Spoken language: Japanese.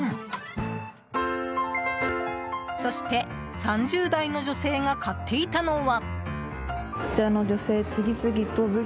そして、３０代の女性が買っていたのは。